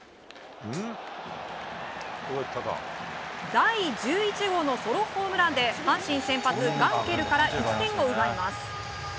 第１１号のソロホームランで阪神先発・ガンケルから１点を奪います。